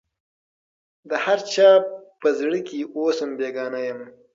د هر چا په زړه کي اوسم بېګانه یم